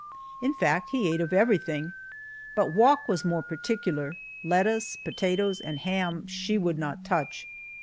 In fact, he ate of everything, but Wauk was more particular lettuce, potatoes, and ham she would not touch.